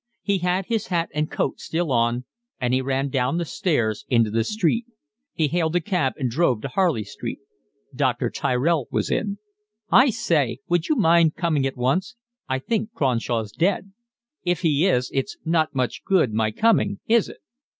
He had his hat and coat still on, and he ran down the stairs into the street; he hailed a cab and drove to Harley Street. Dr. Tyrell was in. "I say, would you mind coming at once? I think Cronshaw's dead." "If he is it's not much good my coming, is it?"